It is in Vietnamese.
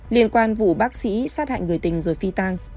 liên quan vụ bác sĩ sát hại người tình rồi phi tang